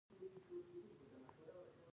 هلته ځمکې او خام مواد هم ارزانه دي